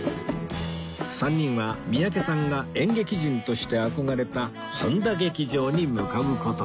３人は三宅さんが演劇人として憧れた本多劇場に向かう事に